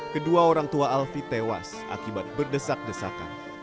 kedua orang tua alfie tewas akibat berdesak desakan